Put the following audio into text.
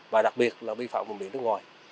và đặc biệt là biển phòng biển nước ngoài